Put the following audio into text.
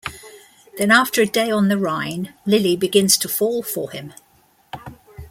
Then after a day on the Rhine, Lili begins to fall for him.